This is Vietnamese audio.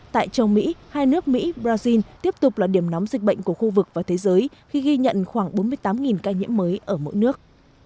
tại châu mỹ hai nước mỹ brazil tiếp tục là điểm nóng dịch bệnh của khu vực và thế giới khi ghi nhận khoảng bốn mươi tám ca nhiễm mới ở mỗi nước